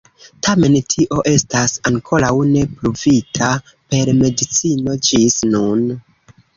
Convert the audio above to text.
Tamen tio estas ankoraŭ ne pruvita per medicino ĝis nun.